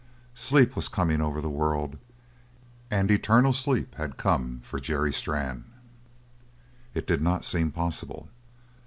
Sleep was coming over the world, and eternal sleep had come for Jerry Strann. It did not seem possible.